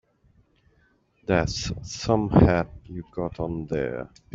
That's some hat you got on there.